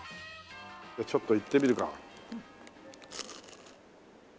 じゃあちょっといってみるか。